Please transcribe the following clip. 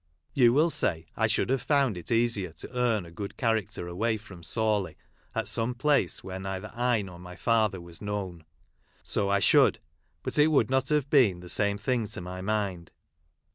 You will say, I should have found it easier to earn a good character away from Sawley, at some place 'where neither I nor my lather was known. So I should ; but it would not have been the same thing to my mind.